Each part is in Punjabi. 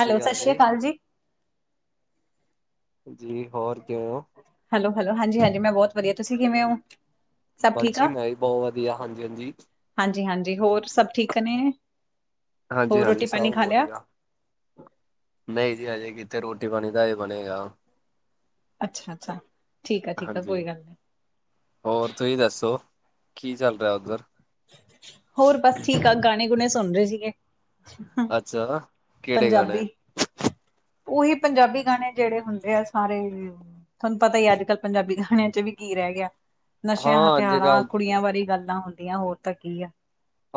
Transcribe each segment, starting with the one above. ਹੈਲੋ, ਸਸ਼੍ਰੀ ਅਕਾਲ ਜੀ। ਜੀ, ਹੋਰ ਕਿਵੇਂ ਓ? ਹੈਲੋ-ਹੈਲੋ, ਹਾਂਜੀ-ਹਾਂਜੀ, ਮੈਂ ਬੋਤ ਵਦੀਆ, ਤੂਸੀਂ ਕਿਵੇਂ ਓ? ਬਾੱਸ ਜੀ ਮੈਂ ਵੀ ਬੋ ਵਦੀਆ, ਹਾਂਜੀ-ਹਾਂਜੀ। ਹਾਂਜੀ-ਹਾਂਜੀ, ਹੋਰ ਸਬ ਠੀਕ ਨੇ? ਹੋਰ ਹਾਂਜੀ-ਹਾਂਜੀ, ਰੋਟੀ ਪਾਣੀ ਸਬ ਖਾ ਲਿਆ ਵਦੀਆ। ਨਈ ਜੀ ਹਜੇ ਕਿੱਖੇ ਰੋਟੀ ਪਾਣੀ ਦਾ ਹਏ ਬਨੇਗਾ। ਅੱਛਾ-ਅੱਛਾ ਠੀਕ ਆ, ਠੀਕ ਆ ਹਾਂਜੀ। ਕੋਈ ਗਾਲ ਨੀ। ਹੋਰ ਤੂਸੀ ਦੱਸੋ, ਕੀ ਚਾਲ ਰੇਐ ਓਦੱਰ? ਹੋਰ ਬਾੱਸ ਠੀਕ ਆ, ਗਾਣੇ-ਗੁਣੇ ਸੁਨ ਰੇ ਸੀਗੇ। ਅੱਛਾ, ਕੇੜੇ ਗਾਣੇ? ਓਹੀ ਪੰਜਾਬੀ ਗਾਣੇ, ਜੇੜੇ ਹੁੰਦੇ ਐ ਸਾਰੇ। ਤੂਆਨ ਪਤਾ ਈ ਆੱਜ-ਕਾੱਲ ਪੰਜਾਬੀ ਗਾਣੇਆਂ ਚ ਵੀ ਕੀ ਰੇ ਗੇਆ। ਨਸੇ਼ਆਂ, ਹਾਂ ਅੱਜ ਹਥੇਆਰਾਂ, ਕੱਲ ਕੁੜੀਆਂ ਬਾਰੇ ਈ ਗੱਲਾਂ ਹੁੰਦੀਆਂ ਹੋਰ ਤਾਂ ਕੀ ਆ।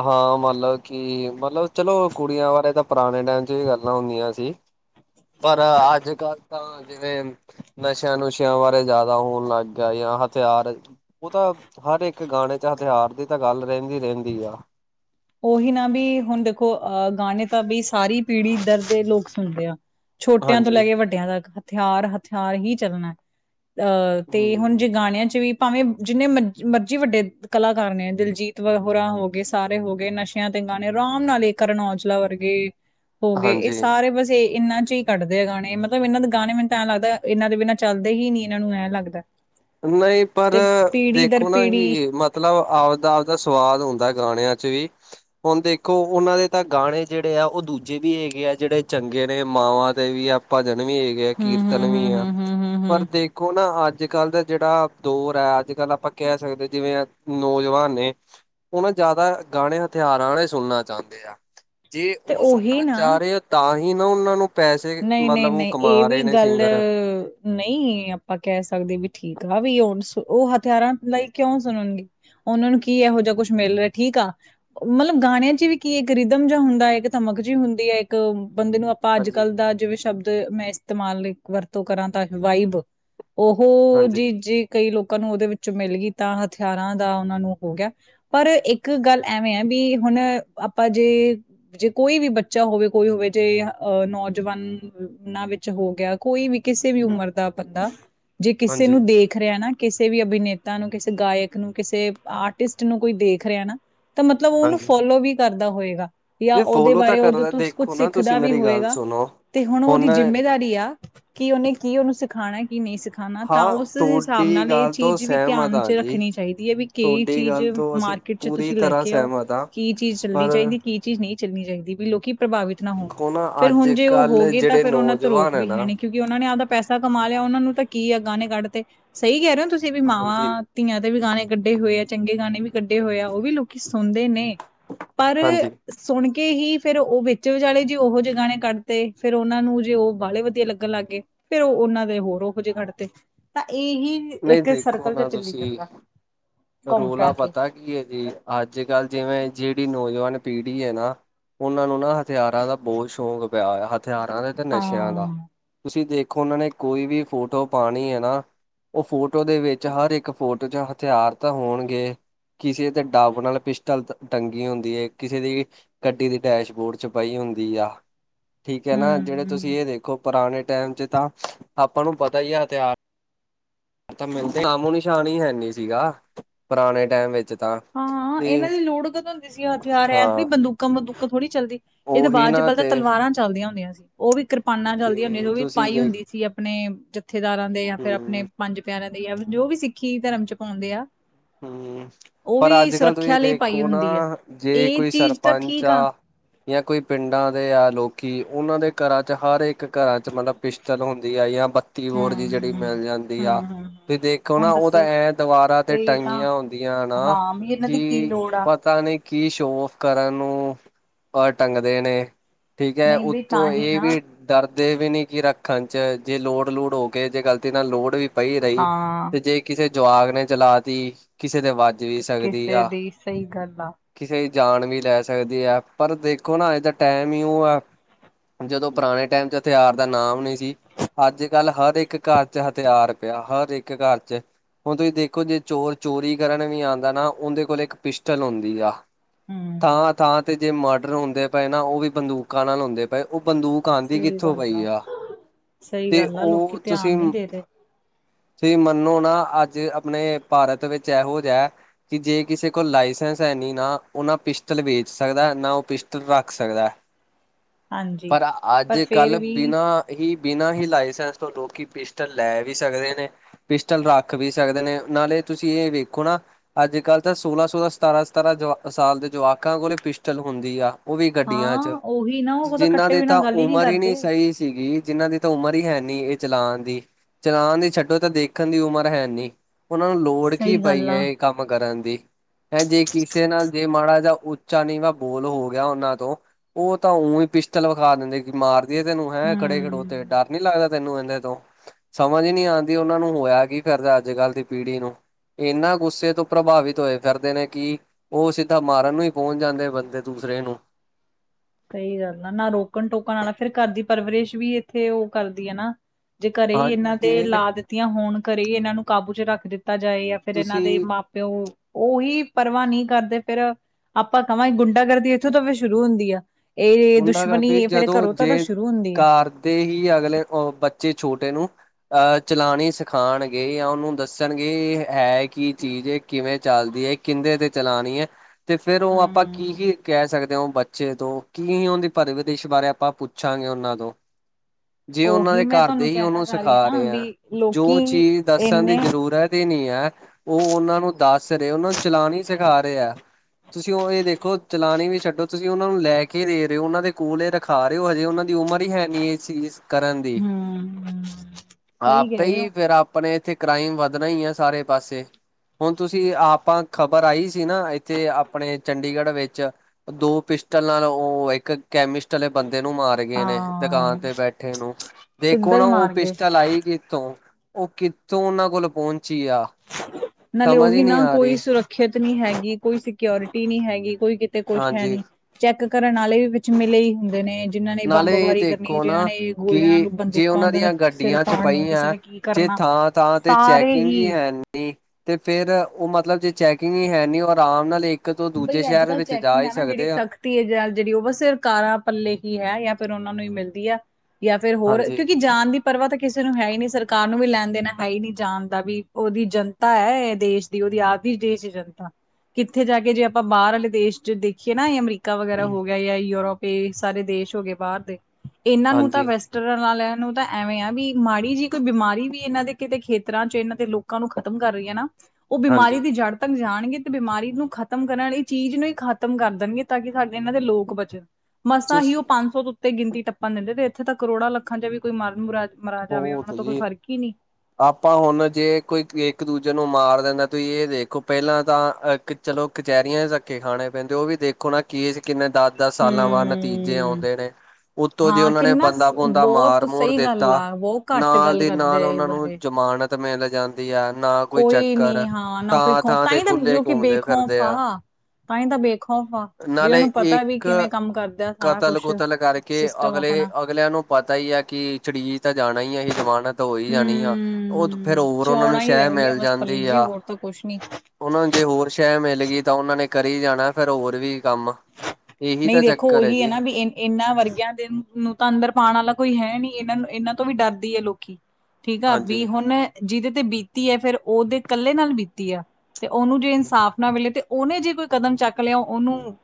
ਹਾਂ ਮਲਬ ਕਿ, ਮਲਬ ਚਲੋ ਕੁੜੀਆਂ ਬਾਰੇ ਤਾਂ ਪੁਰਾਣੇ ਟੈਮ ਚ ਵੀ ਗੱਲਾਂ ਹੁੰਦੀਆਂ ਸੀ ਪਰ ਆੱਜ-ਕਾੱਲ ਤਾਂ ਜਿਵੇਂ ਨਸੇ਼ਆਂ-ਨੁਸੇ਼ਆਂ ਬਾਰੇ ਜਾਦਾ ਹੋਨ ਲਾੱਗ ਗੇਆ ਯਾ ਹਥੇਆਰ ਉਹ ਤਾਂ ਹਰ ਇੱਕ ਗਾਣੇ ਚ ਹਥਿਆਰ ਦੀ ਤਾਂ ਗਾੱਲ ਰੈਂਦੀ-ਰੈਂਦੀ ਆ। ਓਹੀ ਨਾ ਬੀ ਹੁਨ ਦੇਖੋ ਅ ਗਾਨੇ ਤਾ ਬੀ ਸਾਰੀ ਪੀੜੀ ਦਰ ਦੇ ਲੋਕ ਸੁਨਦੇ ਆ। ਛੋਟੇਆਂ ਤੋਂ ਲੈ ਹਾਂਜੀ। ਕੇ ਵੱਡੇਆਂ ਤੱਕ ਹਥਿਆਰ-ਹਥਿਆਰ ਈ ਚੱਲਨੈ। ਅ ਤੇ ਹੁਨ ਹੂੰ, ਜੇ ਗਾਨੇਆਂ ਚ ਵੀ ਭਾਵੇਂ-ਜਿੰਨੇ ਮਜੀ-ਮਜੀ ਵੱਡੇ ਕਲਾਕਾਰ ਨੇ ਦਿਲਜੀਤ ਵ ਹੋਰਾਾਂ ਹੋ ਗੇ, ਸਾਰੇ ਹੋ ਗੇ ਵੇ ਨਸੇ਼ਆਂ ਤੇ ਗਾਨੇ, ਰਾਮ ਨਾਲ ਏ ਕਰਨ ਔਜਲਾ ਵਰਗੇ ਹੋਗੇ ਏ ਹਾਂਜੀ। ਸਾਰੇ ਵਸੇ ਇਨਾਂ ਚੀ ਕੱਟਦੇ ਗਾਣੇ ਮਤਲਬ ਇਨਾਂ ਦੇ ਗਾਣੇ ਮੈਨੂੰ ਤਾਂ ਐਂ ਲਾੱਗਦੈ, ਏਨਾਂ ਦੇ ਬਿਨਾਂ ਚੱਲਦੇ ਈ ਨੀ, ਇਨਾਂ ਨੂੰ ਐਂ ਲਾੱਗਦੈ। ਨਹੀਂ, ਪਰ ਦਰ ਦੇਖੋ ਨਾ ਪੀੜ੍ਹੀ ਕਿ ਮ ਮਤਲਬ, ਆਪਦਾ-ਆਪਦਾ ਸਵਾਦ ਹੁੰਦਾ। ਗਾਣਿਆਂ ਚ ਵੀ। ਹੁਣ ਦੇਖੋ ਉਹਨਾਂ ਦੇ ਤਾਂ ਗਾਣੇ ਜਿਹੜੇ ਆ ਉਹ ਦੂਜੇ ਵੀ ਹੈਗੇ ਆ। ਜਿਹੜੇ ਚੰਗੇ ਨੇ ਮਾਵਾਂ ਦੇ ਵੀ ਆ। ਭਜਨ ਵੀ ਹੈਗੇ ਆ, ਹੂੰ, ਹੂੰ, ਕੀਰਤਨ ਹੂੰ, ਵੀ ਆ, ਹੂੰ, ਹੂੰ, ਹੂੰ, ਪਰ ਹੂੰ ਦੇਖੋ ਨਾ ਅੱਜ ਕੱਲ ਦਾ ਜਿਹੜਾ ਦੌਰ ਹੈ। ਅੱਜ ਕੱਲ ਆਪਾਂ ਕਹਿ ਸਕਦੇ ਜਿਵੇਂ-ਨੌਜਵਾਨ ਨੇ। ਉਹ ਨਾਂ ਜ਼ਿਆਦਾ ਗਾਣੇ, ਹਥਿਆਰਾ ਆਲੇ ਸੁਣਨਾ ਚਾਹੁੰਦੇ ਆ। ਜੇ ਤੇ ਉਹ ਉਹੀ ਸੁਣਨਾ ਚਾਹ ਰਹੇ ਆ ਤਾਂ ਹੀ ਨਾ ਉਹਨਾਂ ਨੂੰ ਪੈਸੇ ਨਹੀਂ-ਨਹੀਂ, ਮਤਲਬ ਉਹ ਨਹੀਂ। ਇਹ ਕਮਾ ਵੀ ਰਹੇ ਨੇ ਗੱਲ ਸਿੰਗਰ ਨਹੀਂ‌, ਆਪਾਂ ਕਹਿ ਸਕਦੇ ਵੀ ਠੀਕ ਆ, ਵੀ ਉਹਣ ਉਹ ਹਥਿਆਰਾਂ ਲਾਈ ਕਿਉਂ ਸੁਣਨਗੇ। ਉਹਨਾਂ ਨੂੰ ਕੀ ਇਹੋ ਜਿਹਾ ਕੁਛ ਮਿਲ ਰਿਹਾ, ਠੀਕ ਆ। ਮਤਲਬ ਗਾਣਿਆਂ ਚ ਵੀ ਕੀ ਇੱਕ ਰਿਦਮ ਜਿਹਾ ਹੁੰਦਾ ਏ, ਇੱਕ ਧਮਕ ਜਿਹੀ ਹੁੰਦੀ ਹੈ, ਇੱਕ ਬੰਦੇ ਨੂੰ ਹਾਂਜੀ, ਅੱਜ-ਕੱਲ ਦਾ ਜਿਵੇਂ- ਸ਼ਬਦ ਮੈਂ ਇਸਤੇਮਾਲ ਵਰਤੋਂ ਕਰਾਂ ਤਾਂ ਵਾਈਬ। ਉਹੋ ਹਾਂਜੀ, ਜੀ, ਜੇ ਕਈ ਲੋਕਾਂ ਨੂੰ ਉਹਦੇ ਵਿੱਚੋਂ ਮਿਲ ਗਈ ਤਾਂ, ਹਥਿਆਰਾਂ ਦਾ ਉਹਨਾਂ ਨੂੰ ਹੋ ਗਿਆ। ਪਰ, ਇੱਕ ਗੱਲ ਐਵੇਂ ਆ ਵੀ ਹੁਣ ਆਪਾਂ ਜੇ ਜੇ ਕੋਈ ਵੀ ਬੱਚਾ ਹੋਵੇ, ਕੋਈ ਹੋਵੇ ਜੇ ਅ ਨੌਜਵਾਨ ਨਾ ਵਿੱਚ ਹੋ ਗਿਆ। ਕੋਈ ਵੀ ਕਿਸੇ ਵੀ ਉਮਰ ਦਾ ਬੰਦਾ। ਜੇ ਕਿਸੇ ਨੂੰ ਹਾਂਜੀ। ਦੇਖ ਦੇਖ ਰਿਹਾ ਨਾ ਕਿਸੇ ਵੀ ਅਭਿਨੇਤਾ ਨੂੰ, ਕਿਸੇ ਗਾਇਕ ਨੂੰ, ਕਿਸੇ ਆਰਟਿਸਟ ਨੂੰ ਕੋਈ ਦੇਖ ਰਿਹਾ ਨਾ। ਤਾਂ ਮਤਲਬ, ਉਹਨੂੰ ਹਾਂਜੀ ਫੋਲੋ ਵੀ ਕਰਦਾ ਹੋਏਗਾ ਜਾਂ ਜੇ ਉਹਦੇ ਫੋਲੋ ਤਾਂ ਬਾਰੇ ਕਰਦਾ ਉਦੋਂ ਕੁਛ ਦੇਖੋ ਨਾ ਤੁਸੀਂ ਸਿੱਖਦਾ ਵੀ ਮੇਰੀ ਗੱਲ ਹੋਏਗਾ। ਸੁਣੋ ਤੇ ਹੁਣ ਉਹਦੀ ਜਿੰਮੇਦਾਰੀ ਆ ਕਿ ਉਹਨੇ ਕੀ ਉਹਨੂੰ ਸਿਖਾਉਣਾ, ਕੀ ਨਹੀਂ ਸਿਖਾਣਾ। ਤਾਂ ਹਾਂ ਉਸ ਹਿਸਾਬ ਤੁਹਾਡੀ ਨਾਲ, ਇਹ ਗੱਲ ਤੋਂ ਚੀਜ਼ ਵੀ ਸਹਿਮਤ ਧਿਆਨ ਚ ਹਾਂ ਜੀ ਰੱਖਣੀ ਚਾਹੀਦੀ ਹੈ, ਵੀ ਕਿਹ ਤੁਹਾਡੀ ਚੀਜ਼ ਗੱਲ ਤੋਂ ਅਸੀਂ ਮਾਰ- ਚ ਪੂਰੀ ਤੁਸੀਂ ਲੈ ਤਰ੍ਹਾਂ ਕੇ ਆਓ ਸਹਿਮਤ ਹਾਂ ਕੀ ਚੀਜ਼ ਚੱਲਣੀ ਪਰ ਚਾਹੀਦੀ, ਕੀ ਚੀਜ਼ ਨਹੀਂ ਚੱਲਣੀ ਚਾਹੀਦੀ ਵੀ ਲੋਕੀ ਪ੍ਰਭਾਵਿਤ। ਕੋਣਾ ਫੇਰ ਹੁਣ ਜੇ ਉਹ ਹੋ ਗਈ ਤਾਂ, ਫੇਰ ਉਹਨਾਂ ਤੋਂ ਰੋਕ ਵੀ ਨਾ ਹੈਣੀ। ਕਿਉਂਕਿ ਉਹਨਾਂ ਨੇ ਆਪਦਾ ਪੈਸਾ ਕਮਾ ਲਿਆ। ਉਹਨਾਂ ਨੂੰ ਤਾਂ ਕੀ ਆੱ ਗਾਂਨੇ ਕੱਢ ਤੇ, ਸਹੀ ਕਹਿ ਰਹੇ ਹੋ, ਤੁਸੀਂ ਵੀ ਹਾਂਜੀ ਮਾਵਾਂ ਧੀਆਂ ਦੇ ਵੀ ਗਾਣੇ ਕੱਢੇ ਹੋਏ ਆ। ਚੰਗੇ ਗਾਣੇ ਵੀ ਕੱਢੇ ਹੋਏ ਆ। ਉਹ ਵੀ ਲੋਕੀ ਸੁਣਦੇ ਨੇ। ਪਰ ਹਾਂਜੀ ਸੁਣ ਕੇ ਹੀ ਫੇਰ ਉਹ ਵਿੱਚ ਵਿਚਾਲੇ ਜੀ। ਉਹੋ ਜਿਹੇ ਗਾਣੇ। ਕੱਢ ਤੇ ਫੇਰ ਉਹਨਾਂ ਨੂੰ ਜੇ ਉਹ ਬਾਹਲੇ ਵਧੀਆ ਲੱਗਣ ਲੱਗ ਗਏ, ਫੇਰ ਉਹਨਾਂ ਦੇ ਹੋਰ ਉਹੋ ਜਿਹੇ ਕੱਢਤੇ। ਤਾਂ ਇਹੀ ਨਹੀਂ ਇੱਕ ਦੇਖੋ ਸਰਕਲ ਨਾ ਜਿਹਾ ਚੱਲੀ ਤੁਸੀਂ ਜਾਂਦਾ, ਘੁੰਮ ਫਿੜਾ ਰੌਲਾ ਕੇ। ਪਤਾ ਕੀ ਹੈ ਜੀ, ਅੱਜ-ਕੱਲ ਜਿਵੇਂ ਜਿਹੜੀ ਨੌਜਵਾਨ ਪੀੜੀ ਹੈ ਨਾ। ਉਹਨਾਂ ਨੂੰ ਨਾ ਹਥਿਆਰਾਂ ਦਾ ਬਹੁਤ ਸ਼ੌਂਕ ਪਿਆ ਹੋਇਆ। ਹਥਿਆਰਾਂ ਦੇ ਅਤੇ ਹਾਂ ਨਸ਼ਿਆਂ ਦਾ, ਤੁਸੀਂ ਦੇਖੋ ਉਹਨਾਂ ਨੇ ਕੋਈ ਵੀ ਫੋਟੋ ਪਾਉਣੀ ਹੈ ਨਾ ਉਹ ਫੋਟੋ ਦੇ ਵਿੱਚ ਹਰ ਇੱਕ ਫੋਟੋ ਚ ਹਥਿਆਰ ਤਾਂ ਹੋਣਗੇ। ਕਿਸੇ ਦੇ ਡੱਬ ਨਾਲ ਪਿਸਟਲ ਟੰਗੀ ਹੁੰਦੀ ਹੈ। ਕਿਸੇ ਦੀ ਗੱਡੀ ਦੀ ਡੈਸ਼ਬੋਰਡ ਚ ਪਈ ਹੁੰਦੀ ਆ। ਠੀਕ ਹੈ ਨਾ। ਜਿਹੜੇ ਤੁਸੀਂ ਹੂੰ ਇਹ ਦੇਖੋ ਪੁਰਾਣੇ ਟਾਈਮ ਚ ਤਾਂ ਆਪਾਂ ਨੂੰ ਪਤਾ ਹੀ ਹੈ। ਹਥਿਆਰ ਤਾਂ ਮਿਲਦੇ ਆਮੋ ਨਿਸ਼ਾਨ ਹੀ ਹੈਨੀ ਸੀਗਾ। ਪੁਰਾਣੇ ਟਾਈਮ ਵਿੱਚ ਤਾਂ। ਹਾਂ, ਤੇ ਇਹਨਾਂ ਦੀ ਲੋੜ ਕਦੋ ਹੁੰਦੀ ਸੀ। ਹਥਿਆਰ ਐਤੀ ਹਾਂ ਬੰਦੂਕਾਂ- ਬੰਦੂਕਾਂ ਥੋੜੀ ਚੱਲਦੀ ਸੀ। ਇਹਦੇ ਉਹੀ ਬਾਅਦ ਚ ਨਾ ਪਤਾਂ ਤੇ ਤਲਵਾਰਾਂ ਚਲਦੀਆਂ ਹੁੰਦੀਆਂ ਸੀ। ਉਹ ਵੀ ਕਿਰਪਾਨਾਂ ਚਲਦੀਆਂ ਹੁੰਦੀਆਂ ਸੀ। ਤੇ ਉਹ ਵੀ ਤੁਸੀਂ ਪਾਈ ਦੇਖ ਹੁੰਦੀ ਸੀ। ਆਪਣੇ ਜਥੇਦਾਰਾਂ ਦੇ ਜਾਂ ਫੇਰ ਹਮ ਆਪਣੇ ਪੰਜ ਪਿਆਰਿਆਂ ਦੇ ਜਾਂ ਜੋ ਵੀ ਸਿੱਖੀ ਧਰਮ ਚ ਪਾਉਂਦੇ ਆ। ਹੂੰ ਉਹ ਪਰ ਵੀ ਅੱਜ-ਕੱਲ ਸੁਰੱਖਿਆ ਤੁਸੀਂ ਲਈ ਪਾਈ ਦੇਖੋ ਹੁੰਦੀ ਹੈ ਨਾ ਜੇ ਇਹ ਕੋਈ ਚੀਜ਼ ਤਾਂ ਸਰਪੰਚ ਠੀਕ ਆ। ਜਾਂ ਕੋਈ ਪਿੰਡਾਂ ਦੇ ਆ ਲੋਕੀ, ਉਹਨਾਂ ਦੇ ਘਰਾਂ ਚ ਹਰ ਇੱਕ ਘਰਾਂ ਚ ਮਤਲਬ ਪਿਸਤਲ ਹੁੰਦੀ ਆ ਜਾਂ ਬੱਤੀ ਬੋੜ ਦੀ ਜਿਹੜੀ ਮਿਲ ਜਾਂਦੀ ਆ। ਹਮ-ਹਮ-ਹਮ-ਹਮ-ਹਮ ਤੇ ਦੇਖੋ ਨਾ ਹੁਣ ਉਹ ਤਾਂ ਦੱਸੋ ਐਂ ਦਵਾਰਾਂ ਤੇ ਇਹ ਤਾਂ ਟੰਗੀਆਂ ਹੁੰਦੀਆਂ ਨਾ, ਹਾਂ ਵੀ ਇਹਨਾਂ ਦੀ ਕੀ, ਲੋੜ ਆ ਪਤਾ ਨਹੀਂ ਕੀ ਸ਼ੋਅ ਔਫ ਕਰਨ ਨੂੰ, ਆਹ ਟੰਗਦੇ ਨੇ। ਠੀਕ ਹੈ ਨਹੀਂ ਬਈ ਤਾਂ ਉਤੋਂ ਹੀ ਇਹ ਨਾ ਵੀ ਡਰਦੇ ਵੀ ਨੀ ਕੀ ਰੱਖਨ ਚ ਜੇ ਲੋੜ ਲੂੜ ਹੋ ਕੇ ਜੇ ਗ਼ਲਤੀ ਨਾਲ ਲੋੜ ਵੀ ਪਈ ਰਹੀ, ਹਾਂ ਤੇ ਜੇ ਕਿਸੇ ਜਵਾਕ ਨੇ ਚਲਾ ਤੀ, ਕਿਸੇ ਦੇ ਵਜ ਕਿਸੇ ਦੀ ਸਹੀ ਗੱਲ ਆ। ਕਿਸੇ ਦੀ ਜਾਨ ਵੀ ਲੈ ਸਕਦੀ ਹੈ ਪਰ ਦੇਖੋ ਨਾ ਇਹਦਾ ਟਾਈਮ ਹੀ ਉਹ ਹੈ ਜਦੋਂ ਪੁਰਾਣੇ ਟਾਈਮ ਚ ਹਥਿਆਰ ਦਾ ਨਾਮ ਨਹੀਂ ਸੀ, ਅੱਜ ਕੱਲ ਹਰ ਇੱਕ ਘਰ ਚ ਹਥਿਆਰ ਪਿਆ ਹਰ ਇੱਕ ਘਰ ਚ। ਹੁਨ ਤੁਸੀਂ ਦੇਖੋ ਜੇ ਚੋਰ ਚੋਰੀ ਕਰਨ ਵੀ ਆਂਦਾ ਨਾ ਉਹਦੇ ਕੋਲ ਇੱਕ ਪਿਸਟਲ ਹੁੰਦੀ ਆ, ਹਮ ਥਾਂ-ਥਾਂ ਤੇ ਤੇ ਮਰਡਰ ਹੁੰਦੇ ਪਏ ਨਾ ਉਹ ਵੀ ਬੰਦੂਕਾਂ ਨਾਲ ਹੁੰਦੇ ਪਏ ਉਹ ਬੰਦੂਕ‌ ਕਾਂਦੀ ਸਹੀ ਕਿੱਥੋਂ ਗੱਲ ਪਈ ਆ, ਸਹੀ ਤੇ ਗੱਲ ਆ ਲੋਕੀ ਉਹ ਤੁਸੀਂ ਧਿਆਨ ਨਹੀਂ ਦੇ ਰਹੇ ਤੁਹੀ ਮੰਨੋ ਨਾ ਅੱਜ ਅਪਨੇ ਭਾਰਤ ਵਿੱਚ ਇਹੋ ਜਿਹ ਕਿ ਜੇ ਕਿਸੇ ਕੋਲ ਲਾਇਸੈਂਸ ਹੈ ਨਹੀਂ ਨਾ ਉਹ ਨਾ ਪਿਸਟਲ ਵੇਚ ਸਕਦਾ ਨਾ ਉਹ ਪਿਸਟਲ ਰੱਖ ਸਕਦਾ। ਹਾਂਜੀ ਪਰ ਅੱਜ ਪਰ ਫੇਰ ਕੱਲ ਵੀ ਬਿਨਾਂ ਏਹੀ ਬਿਨਾ ਹੀ ਲਾਇਸੈਂਸ ਤੋਂ ਲੋਕੀ ਪਿਸਟਲ ਲੈ ਵੀ ਸਕਦੇ ਨੇ। ਪਿਸਟਲ ਰੱਖ ਵੀ ਸਕਦੇ ਨੇ ਨਾਲੇ ਤੁਸੀਂ ਇਹ ਵੇਖੋ ਨਾ ਅੱਜ ਕੱਲ੍ਹ ਤਾਂ ਸੋਲਾਂ-ਸੋਲਾਂ ਸਤਾਰਾਂ-ਸਤਾਰਾਂ ਜਵਾ ਸਾਲ ਦੇ ਜਵਾਕਾਂ ਕੋਲੇ ਪਿਸਟਲ ਹੁੰਦੀ ਆ। ਉਹ ਵੀ ਗੱਡੀਆਂ 'ਚ, ਹਾਂ ਉਹੀ ਨਾ ਉਹ ਤਾਂ ਜਿਨ੍ਹਾਂ ਕੱਟੇ ਦੀ ਬਿਨਾਂ ਤਾਂ ਗੱਲ ਉਮਰ ਹੀ ਕਰਦੇ ਨਹੀਂ ਸਹੀ ਹੀਗੀ ਜਿਹਨਾਂ ਦੀ ਤਾਂ ਉਮਰ ਹੀ ਹੈ ਨੀ ਇਹ ਚਲਾਨ ਦੀ ਚਲਾਨ ਦੀ ਛੱਡੋ ਤਾਂ ਦੇਖਨ ਦੀ ਉਮਰ ਹੈ ਨੀ, ਉਹਨਾਂ ਨੂੰ ਲੋੜ ਕੀ ਸਹੀ ਗੱਲ ਪਈ ਹੈ ਆ ਏ ਕੰਮ ਕਰਨ ਦੀ। ਹੈਂ ਜੇ ਕਿਸੇ ਨਾਲ ਜੇ ਮਾੜਾ ਜਿਹਾ ਉੱਚਾ ਨੀਵਾਂ ਬੋਲ ਹੋ ਗਿਆ ਉਹਨਾਂ ਤੋਂ ਉਹ ਤਾਂ ਓਹੀ ਪਿਸਤਲ ਵਖਾ ਦਿੰਦੇ ਕੀ ਮਾਰਦੀਏ ਤੈਨੂੰ ਹੈਂ ਖੜੇ-ਖੜੋ ਤੇ ਹਮ ਡਰ ਨੀ ਲੱਗਦਾ ਤੈਨੂੰ ਇਹਦੇ ਤੋਂ। ਸਮਝ ਹੀ ਨਹੀਂ ਆਂਦੀ ਦੀ ਉਹਨਾ ਨੂੰ ਹੋਇਆ ਕੀ ਫਿਰਦਾ ਅੱਜ ਕੱਲ੍ਹ ਦੀ ਪੀੜ੍ਹੀ ਨੂੰ। ਏਨਾਂ ਗੁੱਸੇ ਤੋਂ ਪ੍ਰਭਾਵਿਤ ਹੋਏ ਫੇਰਦੇ ਨੇ ਕਿ ਉਹ ਸਿੱਧਾ ਮਾਰਨ ਨੂੰ ਹੀ ਪਹੁੰਚ ਜਾਂਦੇ ਬੰਦੇ ਦੂਸਰੇ ਨੂੰ। ਸਹੀ ਗੱਲ ਆ, ਨਾ ਰੋਕਣ-ਟੋਕਣ ਆਲਾ ਫ਼ੇਰ ਘਰ ਦੀ ਪਰਵਰਿਸ਼ ਵੀ ਇੱਥੇ ਉਹ ਕਰਦੀ ਹੈ ਨਾ। ਜੇ ਘਰੇ ਹਾਂ ਹੀ ਇਹਨਾਂ ਦੇ ਜੇ ਲਾ ਦਿੱਤੀਆਂ ਹੋਣ ਘਰੇ ਹੀ ਇਹਨਾਂ ਨੂੰ ਕਾਬੂ ਚ ਰੱਖ ਦਿੱਤਾ ਜਾਏ ਯਾਂ ਫ਼ੇਰ ਇਹਨਾਂ ਦੇ ਤੁਸੀਂ ਮਾਪ ਤੇ ਉਹ, ਉਹੀ ਪਰਵਾਹ ਨਹੀਂ ਕਰਦੇ ਫ਼ੇਰ ਆਪਾਂ ਕਵਾਂ ਗੁੰਡਾਗਰਦੀ ਇੱਥੋਂ ਤੋਂ ਫ਼ੇਰ ਸ਼ੁਰੂ ਹੁੰਦੀ ਆ। ਇਹ ਦੁਸ਼ਮਣੀ ਗੁੰਡਾਗਰਦੀ ਇਹ ਫੇਰ ਜਦੋਂ ਘਰੋਂ ਤਾਂ ਤਾਂ ਜੇ, ਸ਼ੁਰੂ ਹੁੰਦੀ ਆ ਕਾਰਦੇ ਹੀ ਅਗਲੇ ਉਹ ਬੱਚੇ ਛੋਟੇ ਨੂੰ ਅ ਚਲਾਣੀ ਸਿਖਾਣਗੇ ਯਾਂ ਉਹਨੂੰ ਦੱਸਣਗੇ ਇਹ ਹੈ ਕੀ ਚੀਜ਼ ਏ ਕਿਵੇਂ ਚੱਲਦੀ ਏ। ਕਿਹੰਦੇ ਤੇ ਚਲਾਨੀ ਹੈ ਤੇ ਫੇਰ ਉਹ ਆਪਾਂ ਹਮ ਕੀ-ਕੀ ਕਹਿ ਸਕਦੇ ਆਂ ਉਹ ਬੱਚੇ ਤੋਂ ਕੀ ਉਹਂਦੀ ਪਰਵਰਿਸ਼ ਬਾਰੇ ਆਪਾਂ ਪੁੱਛਾਂਗੇ ਉਹਨਾਂ ਤੋਂ। ਜੇ ਉਹਨਾਂ ਉਹੀ ਦੇ ਮੈਂ ਘਰਦੇ ਤੁਹਾਨੂੰ ਹੀ ਕਹਿਣਾ ਉਹਨੂੰ ਚਾਹ ਰਹੀ ਹਾਂ ਸਿਖਾ ਨਾ ਰਹੇ ਐ, ਵੀ ਜੋ ਲੋਕੀ ਚੀਜ਼ ਦੱਸਨ ਦੀ ਇੰਨੇ ਜ਼ਰੂਰਤ ਤੇ ਨੀ ਹੈ, ਉਹ ਉਹਨਾਂ ਨੂੰ ਦੱਸ ਰਹੇ ਉਹਨਾਂ ਨੂੰ ਚਲਾਨੀ ਸਿਖਾ ਰਹੇ ਹੈ। ਤੁਸੀਂ ਉਹ ਇਹ ਦੇਖੋ ਚਲਾਨੀ ਵੀ ਛੱਡੋ ਤੁਸੀਂ ਉਹਨਾਂ ਨੂੰ ਲੈ ਕੇ ਦੇ ਰਹੇ ਹੋ ਉਹਨਾਂ ਦੇ ਕੋਲ ਇਹ ਰਖਾ ਰਹੇ ਹੋ ਹਜੇ ਉਹਨਾਂ ਦੀ ਉਮਰ ਹੀ ਹੈ ਨੀ ਇਹ ਚੀਜ਼ ਕਰਨ ਦੀ, ਹਮ ਸਹੀ ਆਪੇ ਕਹਿ ਰਹੇ ਹੋ ਹੀ ਫੇਰ ਅਪ ਪਰ ਇੱਥੇ ਕ੍ਰਾਈਮ ਵੱਧਨਾ ਹੀ ਐ ਸਾਰੇ ਪਾਸੇ। ਹੁਨ ਤੁਸੀਂ ਆਪਾਂ ਖ਼ਬਰ ਆਈ ਸੀ ਨਾ ਇੱਥੇ ਆਪਣੇ ਚੰਡੀਗੜ੍ਹ ਵਿੱਚ ਦੋ ਪਿਸਟਲ ਨਾਲ ਉਹ ਇੱਕ ਕੈਮਿਸਟ ਵਾਲੇ ਬੰਦੇ ਨੂੰ ਮਾਰ ਗਏ ਨੇ ਦਕਾਨ ਹਾਂ ਤੇ ਬੈਠੇ ਨੂੰ, ਦੇਖੋ ਸਿੱਧਾ ਨਾ ਹੀ ਉਹ ਮਾਰ ਗਏ ਪਿਸਟਲ ਆਈ ਕਿੱਥੋਂ। ਓ ਕਿੱਤੋ ਉਹਨਾਂ ਕੋਲ ਪਹੁੰਚੀ ਆ। ਨਾਲੇ ਸਮਝ ਹੀ ਉਹੀ ਨਹੀਂ ਨਾ ਆ ਕੋਈ ਰਹੀ ਸੁਰੱਖ ਖਿਅਤ ਨੀ ਹੈਗੀ ਕੋਈ ਸਕਿਓਰਿਟੀ ਨੀ ਹੈਗੀ ਕੋਈ ਕਿਤੇ ਕੁਛ ਹੈ ਹਾਂਜੀ ਨੀ। ਚੈੱਕ ਕਰਨ ਵਾਲੇ ਵੀ ਵਿੱਚ ਮਿਲੇ ਇ ਹੁੰਦੇ ਨੇ। ਜਿਨ੍ਹਾਂ ਨੇ ਨਾਲੇ ਇਹ ਬੰਬਬਾਰੀ ਕਰਨੀ ਦੇਖੋ ਜਿਨ੍ਹਾਂ ਨਾ ਨੇ ਗੋਲੀਆਂ ਕਿ ਨਾਲ ਜੇ ਬੰਦੂਕਾਂ ਉਹਨਾਂ ਦਾ ਦੀਆਂ ਸਿਰ ਗੱਡੀਆਂ ਚ ਪਾੜਨੇ ਪਈ ਕਿਸੇ ਐ ਨੇ ਕੀ ਜੇ ਕਰਨਾ ਥਾਂ-ਥਾਂ ਤੇ ਚੈਕਿੰਗ ਹੀ ਨੀ ਹੈਨੀ ਤੇ ਫੇਰ ਉਹ ਮਤਲਬ ਜੇ ਚੈਕਿੰਗ ਹੀ ਹੈ ਨੀ ਉਹ ਆਰਾਮ ਨਾਲ ਇੱ। ਏਕ ਤੋਂ ਦੂਜੇ ਸ਼ਹਿਰ ਵਿੱਚ ਜਾ ਹੀ ਸਕਦੇ ਆ। ਧੀਜ਼ਨਾ ਜਿਹੜੀ ਉਹ ਬਸ ਸਰਕਾਰਾ ਪੱਲੇ ਕੀ ਰੇਹ ਗਿਆ ਫਿਰ ਉਹਨਾਂ ਨੂੰ ਹੀ ਮਿਲਦੀ ਐ। ਦੀ ਆ ਫਿਰ ਹੋਰ ਹਾਂਜੀ, ਕਿਉਂਕਿ ਜਾਨ ਦੀ ਪਰਵਾ ਤਾਂ ਕਿਸੇ ਨੂੰ ਹੈ ਹੀ ਨੀ ਸਰਕਾਰ ਨੂੰ ਵੀ ਲੈਣ ਦੇਣਾ ਹੈ ਹੀ ਨਈ ਜਾਨ ਦਾ ਵੀ, ਉਹਦੀ ਜਨਤਾ ਐ ਇਹ ਦੇਸ਼ ਉਹਦੀ ਆਪਦੀ ਦੇਸ਼ ਜਨਤਾ, ਕਿੱਥੇ ਜਾ ਕੇ ਫਿਰ ਜੇ ਆਪਾਂ ਬਾਹਰ ਵਾਲੇ ਦੇਸ਼ ਚ ਦੇਖੀਏ ਨਾ ਅਮਰੀਕਾ ਵਗੈਰਾ ਹੋ ਗਿਆ ਜਾਂ ਯੂਰੋਪ ਤੇ ਸਾਰੇ ਦੇਸ਼ ਹੋ ਗਏ ਬਾਹਰ ਦੇ ਇਹਨਾਂ ਨੂੰ ਤਾਂ ਹਾਂਜੀ, ਵੈ ਟਰਨਲਾਂ ਆਲਿਆਂ ਨੂੰ ਤਾਂ ਐਵੇਂ ਆ ਵੀ ਮਾੜੀ ਜਿਹੀ ਕੋਈ ਬਿਮਾਰੀ ਵੀ ਇਹਨਾਂ ਦੇ ਕਿਤੇ ਖੇਤਰਾਂ ਚ ਇਹਨਾਂ ਦੇ ਲੋ ਕਾਂ ਨੂੰ ਖਤਮ ਕਰ ਰਹੀ ਏ ਨਾ ਉਹ ਬਿਮਾਰੀ ਹਾਂਜੀ। ਦੀ ਜੜ ਤੱਕ ਜਾਣਗੇ ਤੇ ਬਿਮਾਰੀ ਨੂੰ ਖਤ। ਖਤਮ ਕਰਨ ਵਾਲੀ ਚੀਜ਼ ਨੂੰ ਹੀ ਖਤਮ ਕਰ ਦੇਣਗੇ ਤਾਂ ਕਿ ਸਾਡੇ ਇਹਨਾਂ ਦੇ ਲੋਕ ਬਚਨ, ਮਸਾਂ ਹੀ ਉਹ ਪੰਜ ਸੌ ਤੋਂ ਤੇ ਗਿਣਤੀ ਟੱਪਣ ਦਿੰਦੇ ਤੇ ਇੱਥੇ ਤਾਂ ਕਰੋੜਾਂ ਲੱਖਾਂ ਚ ਵੀ ਕੋਈ ਮਰਨ ਮੁਰਾਜ ਓ ਤਾਂ ਜੀ। ਆਪਾਂ ਹੁਣ ਜੇ ਕੋਈ ਇੱਕ ਦੂਜੇ ਨੂੰ ਮਾਰ ਦਿੰਦਾ ਤੁਸੀਂ ਇਹ ਦੇਖੋ ਪਹਿਲਾਂ ਤਾਂ ਏਕ ਚਲੋ ਕਚਹਿਰੀਆਂ ਧੱਕੇ ਖਾਣੇ ਪੈਂਦੇ ਉਹ ਵੀ ਦੇਖੋ ਨਾ ਕੇਸ ਕਿੰਨੇ ਦਾ ਦਸ ਸਾਲਾਂ ਬਾਅਦ ਨਤੀਜੇ ਹੂੰ ਆਉਂਦੇ ਨੇ। ਉੱਤੋਂ ਜੇ ਹਾਂ ਉਹਨਾਂ ਨੇ ਕਿੰਨਾ ਬੰਦਾ ਬੁੰਦਾ ਮਾਰ ਬਹੁਤ ਮੂਰ ਸਹੀ ਗੱਲ ਦਿੱਤਾ ਆ ਬਹੁਤ ਘੱਟ ਨਾਲ ਗੱਲ ਦੀ ਨਾਲ ਕਰਦੇ ਆ ਇਹ ਉਹਨਾਂ ਨੂੰ ਬਾਰੇ ਚੁੱ ਮਾਨਤ ਮਿਲ ਜਾ ਦੀ ਆ ਨਾ ਕੋਈ ਚੱਕਰ ਨੀ ਆ। ਹਾਂ ਨਾ ਕੋਈ ਖੌਫ ਥਾਂ-ਥਾਂ ਤਾਂ ਤੇ ਹੀ ਤਾਂ ਖੁੱਲੇ ਲੋਕੀ ਘੁੰਮਦੇ ਫਿਰਦੇ ਬੇਖੌਫ ਆ। ਤਾਂ ਹੀ ਤਾਂ ਬੇਖੌਫ ਆ ਵੀ ਨਾਲੇ ਉਹਨੂੰ ਪਤਾ ਵੀ ਕਿਵੇਂ ਇੱਕ ਕੰਮ ਕਰਦੇ ਸਾਰਾ ਕੁਛ ਕਿ ਸਿਸਟਮ ਅਗਲੇ ਆਪਣਾ ਅਗਲਿਆਂ ਨੂੰ ਪਤਾ ਹੀ ਆ ਕਿ ਚੜੀ ਤਾਂ ਜਾਣਾ ਹੀ ਆ, ਹੀ ਜ਼ਮਾਨਤ ਤਾਂ ਹੋ ਹੀ ਜਾਣੀ ਆ। ਓ ਫਿਰ ਹੂੰ, ਹੋਰ ਉਨਾਂ ਨੂੰ ਚੌੜਾ ਹੀ ਸ਼ਹਿ ਰਹਿ ਗਿਆ ਮਿਲ ਬਸ ਪੱਲੇ ਜਾਂਦੀ ਜੀ ਆ। ਹੋਰ ਤਾਂ ਕੁਛ ਨੀ ਉਹਨਾਂ ਨੂੰ ਜੇ ਹੋਰ ਸ਼ੈ ਮਿਲ ਗਈ ਤਾਂ ਉਹਨਾਂ ਨੇ ਕਰੀ ਜਾਣਾ ਫਿਰ ਹੋਰ ਵੀ ਕੰਮ। ਇਹੀ ਨਈ ਤਾਂ ਦੇਖੋ ਚੱਕਰ ਉਹੀ ਹੈ ਜੀ ਨਾ ਵੀ ਇ ਇਹਨਾਂ ਵਰਗਿਆਂ ਦੇ ਨੂੰ ਤਾਂ ਅੰਦਰ ਪਾਉਣ ਵਾਲਾ ਕੋਈ ਹੈ ਨੀ, ਇਹਨਾਂ ਨੂੰ ਇਹਨਾਂ ਤੋਂ ਵੀ ਡਰਦੀ ਇ ਲੋਕੀ ਠੀਕ ਆ ਹਾਂਜੀ ਬੀ ਹੁਣ ਜਿਹਦੇ ਤੇ ਬੀਤੀ ਐ ਫਿਰ ਉਦੇ ਕੱਲੇ ਨਾਲ ਬੀਤੀ ਆ। ਤੇ ਉਨੂੰ ਜੇ ਇਨਸਾਫ਼ ਨਾ ਮਿਲੇ ਤੇ ਉਨੇ ਜੇ ਕੋਈ ਕਦਮ ਚੱਕ ਲਿਆ ਉਹਨੂੰ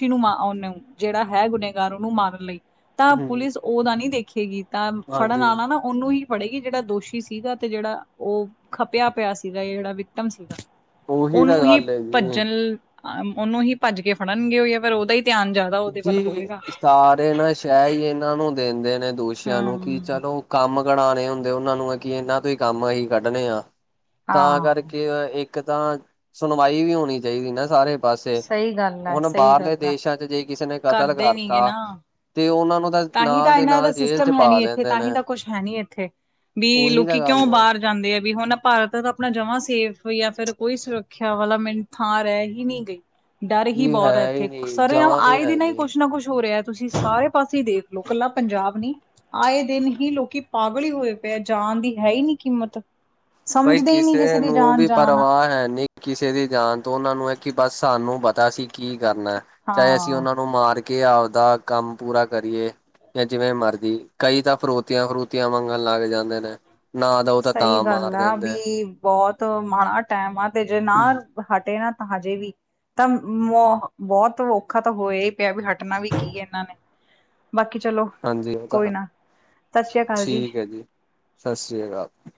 ਕੀਹਨੂੰ ਮਾ ਉਹਨੂੰ ਜਿਹੜਾ ਹੈ ਗੁਨੇਗਾਰ ਉਹਨੂੰ ਮਾਰਨ ਲਈ ਤਾਂ ਹਮ ਪੁਲਿਸ ਉਦਾ ਨੀ ਦੇਖੇਗੀ ਤਾਂ ਫੜਨ ਹਾਂਜੀ ਆਨਾ ਨਾ ਉਹਨੂੰ ਹੀ ਫੜੇਗੀ ਜਿਹੜਾ ਦੋਸ਼ੀ ਸੀਗਾ ਤੇ ਜਿਹੜਾ ਉਹ ਖਪਿਆ ਪਿਆ ਸੀਗਾ। ਜਿਹੜਾ ਵਿਤਮ ਸੀਗਾ। ਉਹੀ ਤਾਂ ਉਨੂੰ ਹੀ ਗੱਲ ਹੈ ਜੀ ਭੱਜਣ ਅ ਉਹਨੂੰ ਹੀ ਭੱਜ ਕੇ ਫੜਨਗੇ ਉਹ ਜਾਂ ਫਿਰ ਉਹਦਾ ਹੀ ਧਿਆਨ ਜਿਆ ਜੀ ਸਾਰੇ ਨਾ ਸ਼ਹਿ ਹੀ ਇਹਨਾਂ ਨੂੰ ਦਿੰਦੇ ਦੋਸ਼ੀਆਂ ਨੂੰ ਕਿ ਹੂੰ, ਚਲੋ ਕੰਮ ਕਨਾਣੇ ਹੁੰਦੇ ਉਹਨਾਂ ਨੂੰ ਕਿ ਇਹਨਾਂ ਤੋਂ ਹੀ ਕੰਮ ਅਸੀਂ ਕੱਢਣੇ ਆ। ਤਾਂ ਹਾਂ ਕਰਕੇ ਏਕ ਤਾਂ ਸੁਣਵਾਈ ਵੀ ਹੋਣੀ ਚਾਹੀਦੀ ਨਾ ਸਾਰੇ ਪਾਸੇ ਸਹੀ ਗੱਲ ਹੈ, ਹੁਣ ਸਹੀ ਬਾਹਰਲੇ ਗੱਲ ਹੈ। ਦੇਸ਼ਾਂ ਚ ਜੇ ਕਿਸੇ ਨੇ ਕਤਲ ਕਰਤਾ ਤੇ ਉਹਨਾਂ ਨੂੰ ਤਾਂਹੀ ਨਾਲ ਤਾਂ ਦੇ ਇਹਨਾ ਦਾ ਨਾਲ ਜੇਲ੍ਹ 'ਚ ਸਿਸਟਮ ਹੈ ਪਾ ਨੀ ਇੱਥੇ ਦਿੰਦੇ ਤਾਂਹੀ ਨੇ ਤਾਂ ਕੁਛ ਹੈ ਨੀ ਇੱਥੇ ਵੀ ਉਹੀ ਤਾਂ ਲੋਕੀ ਕਿਉਂ ਗੱਲ ਹੈ ਬਾਰ ਜਾਂਦੇ ਆ ਵੀ ਹੁਣ ਭਾਰਤ ਤਾਂ ਆਪਣਾ ਜਮਾ ਸੇਫ ਜਾਂ ਫਿਰ ਕੋਈ ਸੁਰੱਖਿਆ ਵਾਲਾ ਮਿਨ ਥਾਂ ਰਹਿ ਹੀ ਨਈ ਗਈ। ਡਰ ਹੀ ਜੀ ਬੋਤ ਐ ਹੈ ਹੀ ਇੱਥੇ ਨਹੀਂ ਸਰ ਜਮਾਂ ਵੀ ਆਏ ਹੈ ਦਿਨ ਹੀ ਨਹੀਂ ਕੁੱਛ ਨਾ ਕੁੱਛ ਹੋ ਰਿਹਾ ਤੁਸੀਂ ਸਾਰੇ ਪਾਸੇ ਤੁਸੀਂ ਦੇਖਲੋ ਕੱਲਾ ਪੰਜਾਬ ਨੀ ਆਏ ਦਿਨ ਹੀ ਲੋਕੀ ਪਾਗਲ ਹੀ ਹੋਏ ਪਏ ਆ ਜਾਣ ਦੀ ਹੈ ਹੀ ਨੀ ਕੀਮਤ ਬਈ ਸਮਝਦੇ ਹੀ ਨੀ ਕਿਸੇ ਦੀ ਨੂੰ ਜਾਨ ਵੀ ਜਾਨ ਆ ਪਰਵਾ ਹੈ ਨੀ ਕਿਸੇ ਦੀ ਜਾਨ ਤੋਂ ਉਨਾਂ ਨੂੰ ਹੈ ਕਿ ਬਸ ਸਾਨੂੰ ਪਤਾ ਅਸੀਂ ਸੀ ਕੀ ਕਰਨਾ ਚਾਹੇ ਅਸੀਂ ਹਾਂ। ਉਨਾਂ ਨੂੰ ਮਾਰ ਕੇ ਆਪਦਾ ਕੰਮ ਪੂਰਾ ਕਰੀਏ। ਜਾਂ ਜਿਵੇਂ ਮਰਜੀ ਕਈ ਤਾਂ ਫਰੋਤੀਆਂ-ਫਰੂਤੀਆਂ ਮੰਗਣ ਲੱਗ ਜਾਂਦੇ ਨੇ ਨਾ ਦੋ ਤਾਂ ਮਾਰ ਦਿੰਦੇ ਬੋਹਤ ਮਾੜਾ ਟੈਮ ਆ ਤੇ ਜੇ ਨਾ ਹਟੇ ਨਾ ਤਾਂ ਹਜੇ ਵੀ ਤਾਂ ਬੋਤ ਔਖਾ ਤਾਂ ਹੋਯਾ ਹੀ ਪਯਾ ਵੀ ਹਟਣਾ ਵੀ ਕੀ ਏ ਏਨਾਂ ਨੇ ਬਾਕੀ ਚਲੋ ਹਾਂਜੀ ਉਹ ਤਾਂ ਕੋਈ ਹੈ ਨਾ ਸਾਸ ਸ੍ਰੀ ਅਕਾਲ ਜੀ। ਸਾਸ ਸ਼੍ਰੀ ਅਕਾਲ।